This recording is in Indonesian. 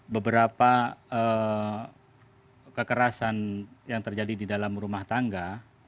beberapa kekerasan yang terjadi di dalam rumah tangga